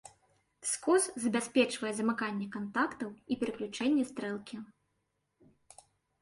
Скос забяспечвае замыканне кантактаў і пераключэнне стрэлкі.